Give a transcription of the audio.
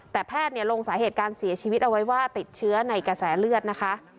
แต่แพทย์ลงสาเหตุการเสียชีวิตเอาไว้ว่าติดเชื้อในกระแสเลือดนะคะ